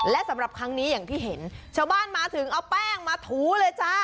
และสำหรับครั้งนี้อย่างที่เห็นชาวบ้านมาถึงเอาแป้งมาถูเลยจ้า